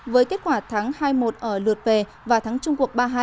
với kết quả thắng hai một ở lượt về và thắng trung cuộc ba hai